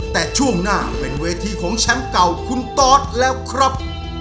แต่ช่วงหน้าเป็นเวทีของแชมป์เก่าคุณตอสแล้วครับ